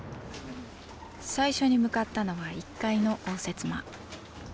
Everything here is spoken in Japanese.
最初に向かったのは１階の応接間。